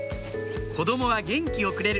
「子供は元気をくれる」